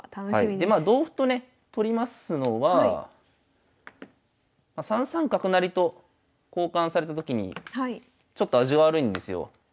でまあ同歩とね取りますのは３三角成と交換されたときにちょっと味悪いんですよ。